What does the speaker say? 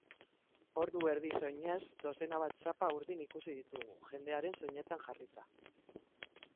Ordu erdiz oinez, dozena bat txapa urdin ikusi ditugu jendearen soinetan jarrita.